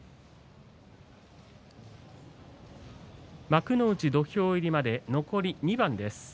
幕内土俵入りまで残り２番です。